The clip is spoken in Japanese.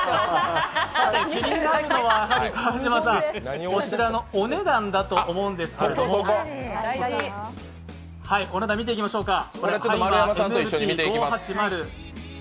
気になるのはこちらのお値段だと思うんですけど、お値段見ていきましょうか。